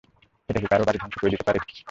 এটা কি কারো বাড়ি ধ্বংস করে দিতে পারে?